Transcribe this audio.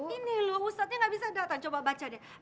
ini loh ustadznya gak bisa datang coba baca deh